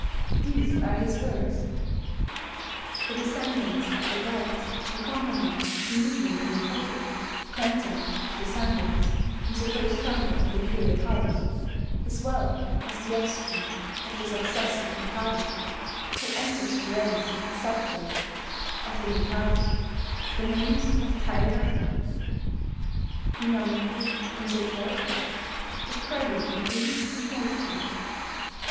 These are his words: "The descendants of the gods who accompanied Ninigi no Mikoto [grandson of the Sun goddess, and supposed founder of the Imperial house,] as well as the offspring of the successive Mikados, who entered the ranks of the subjects of the Mikados, with the names of Taira, Minamoto, and so forth, have gradually increased and multiplied.